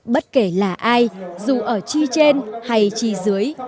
bất kể là ai dù ở chi trên hay chi dưới